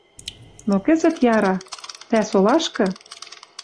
Но кӹзӹт яра... Тӓ — солашкы?